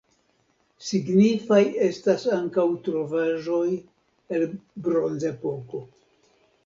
Signifaj estas ankaŭ trovaĵoj el bronzepoko.